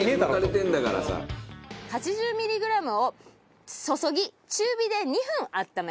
８０ミリグラムを注ぎ中火で２分温めます。